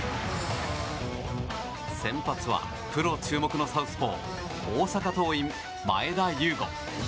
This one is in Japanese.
先発はプロ注目のサウスポー大阪桐蔭、前田悠伍。